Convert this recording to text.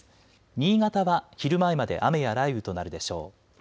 新潟は昼前まで雨や雷雨となるでしょう。